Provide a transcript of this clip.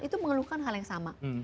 itu mengeluhkan hal yang sama